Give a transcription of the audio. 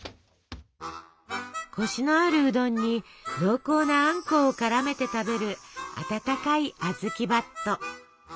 コシのあるうどんに濃厚なあんこを絡めて食べる温かいあずきばっと。